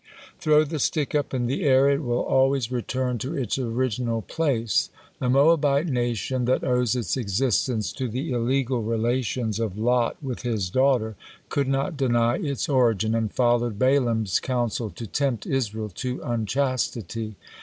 "Throw the stick up in the air it will always return to its original place." The Moabite nation that owes its existence to the illegal relations of Lot with his daughter could not deny its origin, and followed Balaam's counsel to tempt Israel to unchastity.